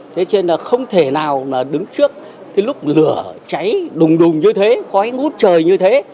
thế chứ không thể nào đứng trước lúc lửa cháy đùng đùng như thế khói ngút trời như thế